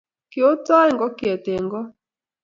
kiotoi ngokyet eng' koot.